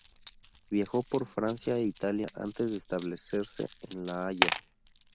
Viajó por Francia e Italia antes de establecerse en La Haya.